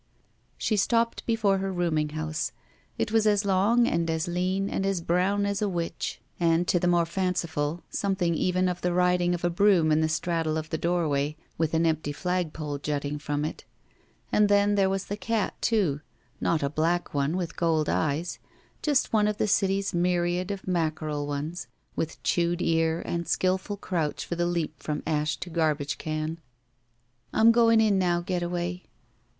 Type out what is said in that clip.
She stopped before her roonmig house. It was as long and as lean and as brown as a witch, and, to 9 123 if ti it, THE VERTICAL CITY the more fanciful, something even of the riding of a broom in the straddle of the doorway, with an empty flagpole jutting from it. And then there was the cat, too — not a black one with gold eyes, just one of the city's myriad of mackerel ones, with chewed ear and a skillful crouch for the leap from ash to garbage can. "I'm going in now, Getaway."